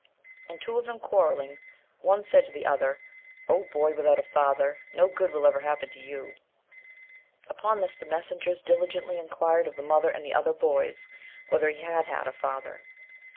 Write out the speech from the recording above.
And two of them quarrelling, one said to the other, "O boy without a father, no good will ever happen to you." Upon this, the messengers diligently inquired of the mother and the other boys, whether he had had a father?